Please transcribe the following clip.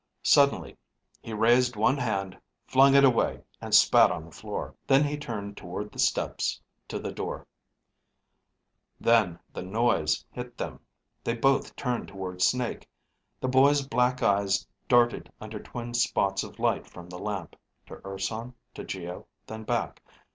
Suddenly he raised one hand, flung it away, and spat on the floor. Then he turned toward the steps to the door. Then the noise hit them. They both turned toward Snake. The boy's black eyes darted under twin spots of light from the lamp, to Urson, to Geo, then back.